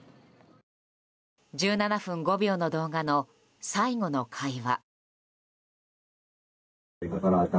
１７分５秒の動画の最後の会話。